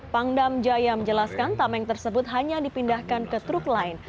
pangdamjaya menjelaskan tameng tersebut hanya dipindahkan ke truk lain